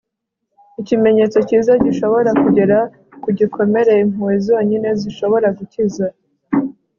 ikimenyetso cyiza gishobora kugera ku gikomere impuhwe zonyine zishobora gukiza